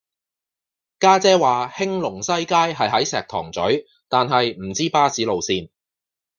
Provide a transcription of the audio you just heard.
家姐話興隆西街係喺石塘咀但係唔知巴士路線